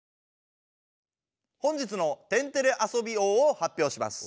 本日の「天てれ遊び王」を発表します。